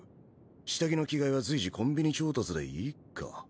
下着の着替えは随時コンビニ調達でいいか。